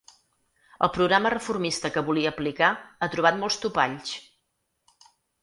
El programa reformista que volia aplicar ha trobat molts topalls.